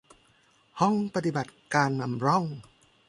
ห้องปฏิบัติการนำร่อง